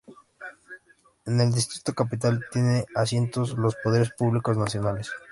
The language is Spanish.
En el Distrito Capital tienen asiento los Poderes Públicos Nacionales.